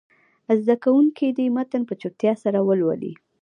زده کوونکي دې متن په چوپتیا سره ولولي.